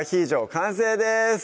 完成です